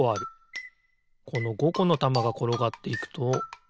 この５このたまがころがっていくとあながあるな。